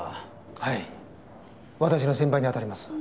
はい私の先輩にあたります。